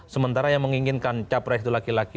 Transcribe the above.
sementara yang menginginkan capres itu laki laki